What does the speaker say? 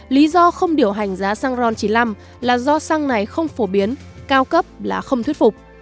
lý do không điều hành giá xăng ron chín mươi năm là do xăng này không phổ biến cao cấp là không thuyết phục